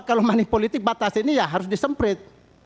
kalau money politik batas ini ya harus disemprit